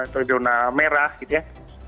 terdona merah gitu ya